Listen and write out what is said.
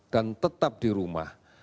dan tetap di rumah